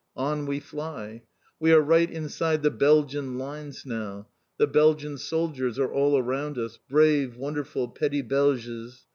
On we fly. We are right inside the Belgian lines now; the Belgian soldiers are all around us, brave, wonderful "_Petits Belges!